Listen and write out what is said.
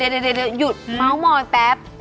โอ้ยอย่ายุดมากมองนี่แป๊บ